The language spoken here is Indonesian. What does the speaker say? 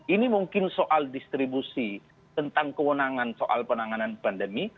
ini mungkin soal distribusi tentang kewenangan soal penanganan pandemi